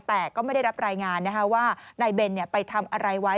แต่ก็ไม่ได้รับรายงานว่านายเบนไปทำอะไรไว้